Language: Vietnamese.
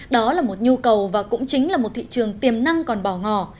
đó là một nhu cầu và cũng chính là một thị trường tiềm năng còn bỏ ngỏ